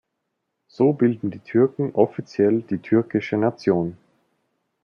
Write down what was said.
So bilden die Türken offiziell die türkische Nation.